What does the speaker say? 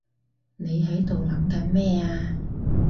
你喺度諗緊咩啊？